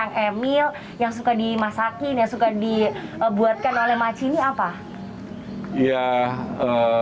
yang suka dimasakin yang suka dibuatkan oleh makci ini apa